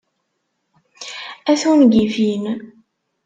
A tungifin!